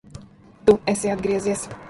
Tu esi atgriezies!